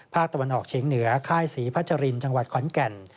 ตะวันออกเฉียงเหนือค่ายศรีพัชรินจังหวัดขอนแก่น